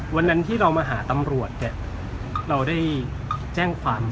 วันนั้นที่เรามาหาตำรวจเนี่ยเราได้แจ้งความ